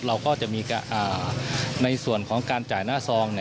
เราก็จะมีในส่วนของการจ่ายหน้าซอง